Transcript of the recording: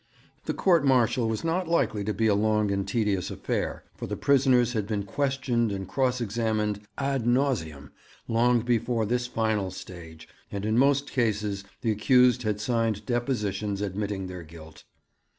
The court martial was not likely to be a long and tedious affair, for the prisoners had been questioned and cross examined ad nauseam long before this final stage, and in most cases the accused had signed depositions admitting their guilt.